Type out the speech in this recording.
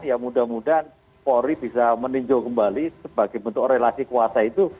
ya mudah mudahan polri bisa meninjau kembali sebagai bentuk relasi kuasa itu